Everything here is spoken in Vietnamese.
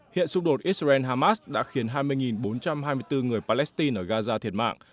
hiện xung đột israel hamas đã khiến hai mươi bốn trăm hai mươi bốn người palestine ở gaza thiệt mạng